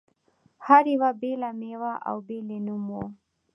هر یوې بېله مېوه او بېل یې نوم و.